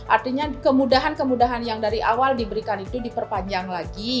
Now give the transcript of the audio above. artinya kemudahan kemudahan yang dari awal diberikan itu diperpanjang lagi